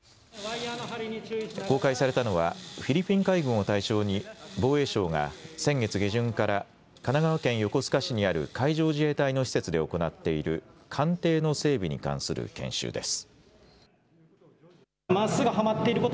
公開されたのはフィリピン海軍を対象に防衛省が先月下旬から神奈川県横須賀市にある海上自衛隊の施設で行っている艦艇の整備に関する研修です。